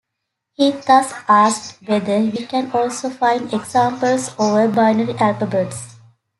He thus asked whether we can also find examples over binary alphabets.